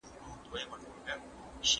ایا انا به وکولای شي چې خپل ناسم خوی بدل کړي؟